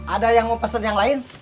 ada yang mau pesan yang lain